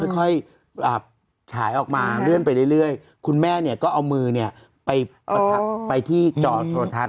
ค่อยฉายออกมาเลื่อนไปเรื่อยคุณแม่เนี่ยก็เอามือเนี่ยไปประทับไปที่จอโทรทัศน